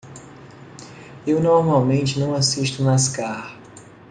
Eu normalmente não assisto Nascar.